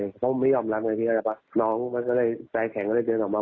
เขาไม่ยอมรันกับพี่อาจารย์แข็งก็เลยเดินออกมา